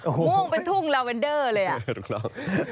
ม่วงเป็นทุ่งลาเวนเดอร์เลยอ่ะ